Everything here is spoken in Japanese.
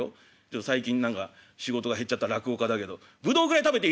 最近何か仕事が減っちゃった落語家だけどブドウぐらい食べていいだろ」。